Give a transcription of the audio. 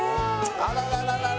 あらららら！